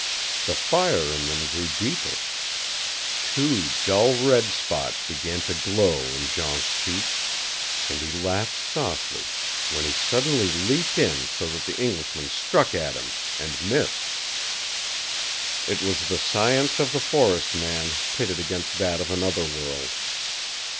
The fire in them grew deeper. Two dull red spots began to glow in Jean's cheeks, and he laughed softly when he suddenly leaped in so that the Englishman struck at him and missed. It was the science of the forest man pitted against that of another world.